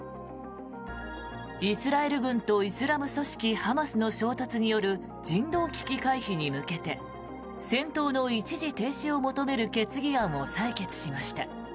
イスラエル軍とイスラム組織ハマスの衝突による人道危機回避に向けて戦闘の一時停止を求める決議案を採決しました。